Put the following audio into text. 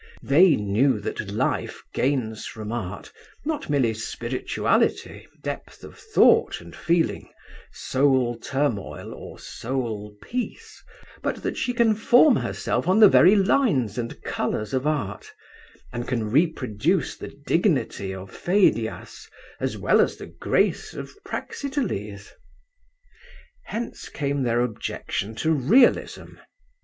They knew that Life gains from art not merely spirituality, depth of thought and feeling, soul turmoil or soul peace, but that she can form herself on the very lines and colours of art, and can reproduce the dignity of Pheidias as well as the grace of Praxiteles. Hence came their objection to realism.